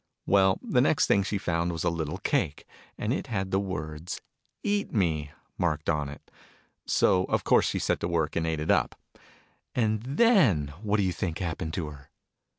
Well, the next thing she found was a little cake : and it had the w r ords " EAT ME " marked on it. So of course she set to work and ate it up. And then what do you think happened to her